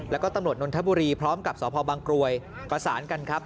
แล้วก็ตำรวจนนทบุรีพร้อมกับสพบังกรวยประสานกันครับ